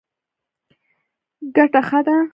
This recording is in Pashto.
ګټه ښه ده.